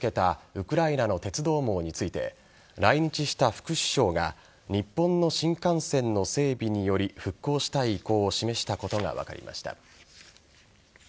ウクライナの鉄道網について来日した副首相が日本の新幹線の整備により復興したい意向を示したことが分かりました。